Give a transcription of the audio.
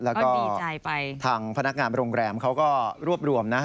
แล้วก็ทางพนักงานโรงแรมเขาก็รวบรวมนะ